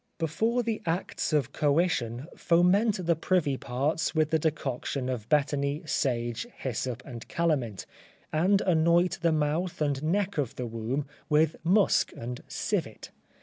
Before the acts of coition, foment the privy parts with the decoction of betony, sage, hyssop and calamint and anoint the mouth and neck of the womb with musk and civet.